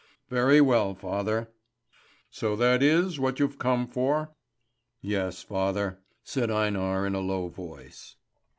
"Very well, father." "So that is what you've come for?" "Yes, father," said Einar in a low voice.